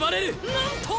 なんと！